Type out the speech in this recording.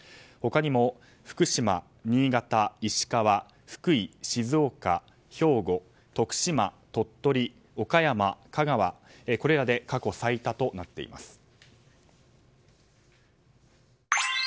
他にも福島、新潟、石川、福井静岡、兵庫、徳島、鳥取岡山、香川、これらで過去最多となっています。